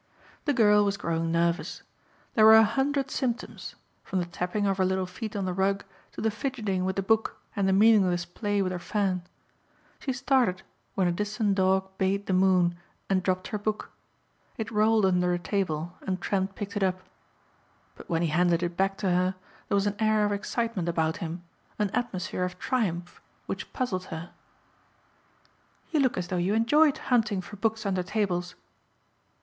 The girl was growing nervous. There were a hundred symptoms from the tapping of her little feet on the rug to the fidgeting with the book and the meaningless play with her fan. She started when a distant dog bayed the moon and dropped her book. It rolled under a table and Trent picked it up. But when he handed it back to her there was an air of excitement about him, an atmosphere of triumph which puzzled her. "You look as though you enjoyed hunting for books under tables."